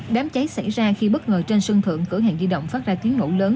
đám cháy xảy ra khi bất ngờ trên sân thượng cửa hàng di động phát ra tiếng nổ lớn